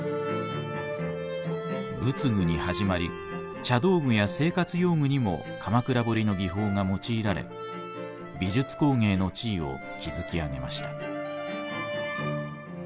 仏具にはじまり茶道具や生活用具にも鎌倉彫の技法が用いられ美術工芸の地位を築き上げました。